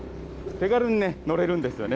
手軽にね、乗れるんですよね。